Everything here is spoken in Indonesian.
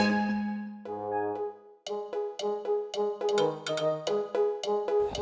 makasih udah nangis